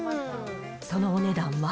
そのお値段は。